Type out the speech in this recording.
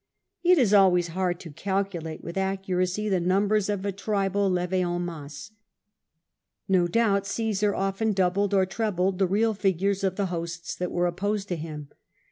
It is always hard to calculate with accuracy the numbers of a tribal kvie^en masse. No doubt Omsar often doubled or trebled the real figures of the hosts that were opposed to him.